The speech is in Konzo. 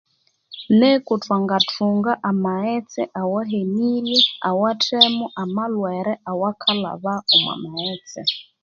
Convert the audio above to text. Neko thwangathunga amaghetse awahenirye awathemu amalhwere awakalhaba omomaghetse